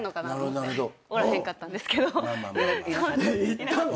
行ったの？